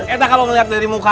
eh dah kamu ngeliat dari muka